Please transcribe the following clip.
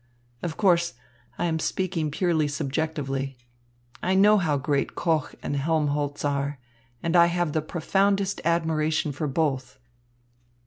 Of course, I am speaking purely subjectively. I know how great Koch and Helmholtz are, and I have the profoundest admiration for both."